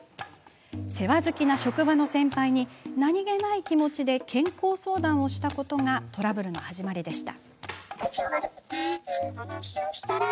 世話好きな職場の先輩に何気ない気持ちで健康相談をしたことがトラブルの始まりでした。